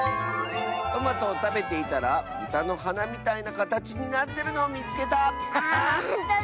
「トマトをたべていたらブタのはなみたいなかたちになってるのをみつけた！」。